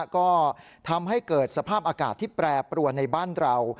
ก็ทำให้เกิดสภาพอากาศที่แปรปรวนในบ้านเรา